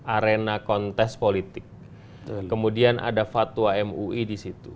arena kontes politik kemudian ada fatwa mui di situ